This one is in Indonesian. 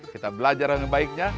kita belajar yang baiknya